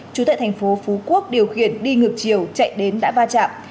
chú tại tp phú quốc điều khiển đi ngược chiều chạy đến đã va chạm